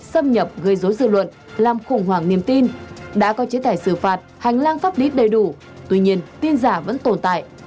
xâm nhập gây dối dư luận làm khủng hoảng niềm tin đã có chế tài xử phạt hành lang pháp lý đầy đủ tuy nhiên tin giả vẫn tồn tại